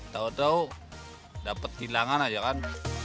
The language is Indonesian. tau tau dapet tilangan aja kan